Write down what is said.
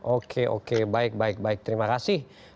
oke oke baik baik baik terima kasih